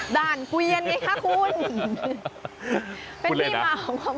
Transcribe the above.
ด่านเกวียนไงคะคุณ